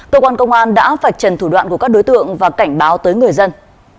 cơ quan công an đã vạch trần thủ đoạn của các đối tượng và cảnh báo tới người dân